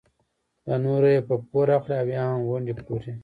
له نورو یې په پور اخلي او یا هم ونډې پلوري.